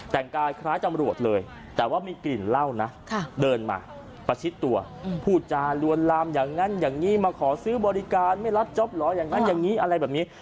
แต่งกายคล้ายตำรวจเลยแต่ว่ามีกลิ่นเหล้านะเดินมาประชิดตัวพูดจารวนลามอย่างนั้นอย่างนี้มาขอซื้อบริการไม่รับจ๊อปเหรออย่างนั้นอย่างนี้อะไรแบบนี้